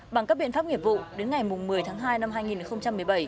bằng các biện pháp nghiệp vụ đến ngày một mươi tháng hai năm hai nghìn một mươi bảy